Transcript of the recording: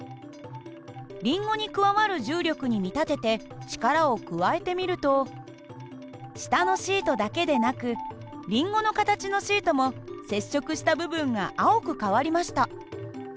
りんごに加わる重力に見立てて力を加えてみると下のシートだけでなくりんごの形のシートも接触した部分が青く変わりました。